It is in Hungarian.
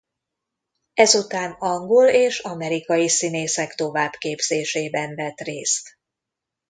Ezután angol és amerikai színészek továbbképzésében vett részt.